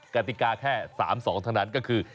กติกาแค่๓๒เท่านั้นก็คือ